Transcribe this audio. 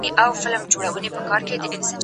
زه لیکل کړي دي؟!